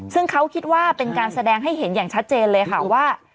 ซึ่งเขาคิดว่าเป็นการแสดงให้เห็นอย่างชัดเจนเลยค่ะว่า